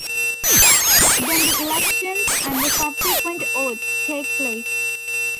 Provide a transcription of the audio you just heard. Then the elections and the subsequent oaths take place.